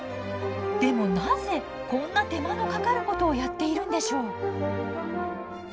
でもなぜこんな手間のかかることをやっているんでしょう。